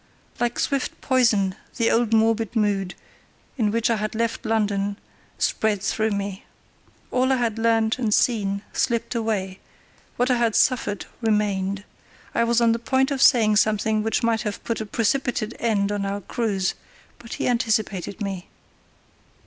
Like swift poison the old morbid mood in which I left London spread through me. All I had learnt and seen slipped away; what I had suffered remained. I was on the point of saying something which might have put a precipitate end to our cruise, but he anticipated me.